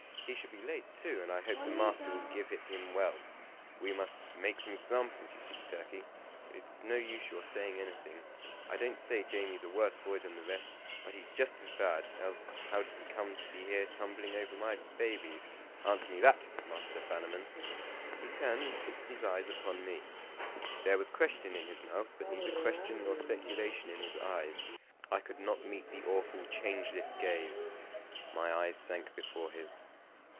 He shall be late, too, and I hope the master will give it him well. We must make some examples, you see, Turkey. It's no use your saying anything. I don't say Jamie's a worse boy than the rest, but he's just as bad, else how did he come to be there tumbling over my babies? Answer me that, Master Bannerman." He turned and fixed his eyes upon me. There was question in his mouth, but neither question nor speculation in his eyes. I could not meet the awful changeless gaze. My eyes sank before his.